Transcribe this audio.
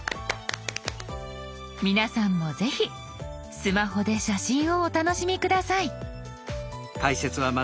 皆さんもぜひスマホで写真をお楽しみ下さい。